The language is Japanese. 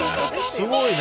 すごいね。